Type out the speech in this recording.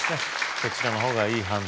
そちらのほうがいい判断